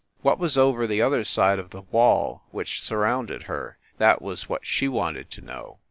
What was over the other side of the wall which surrounded her? that was what she wanted to know.